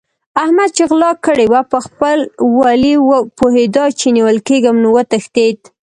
احمد چې غلا کړې وه؛ په خپل ولي پوهېد چې نيول کېږم نو وتښتېد.